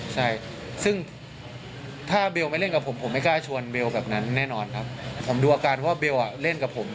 ใช่ซึ่งถ้าเบลไม่เล่นกับผมผมไม่กล้าชวนเบลแบบนั้นแน่นอนครับผมดูอาการเพราะว่าเบลอ่ะเล่นกับผม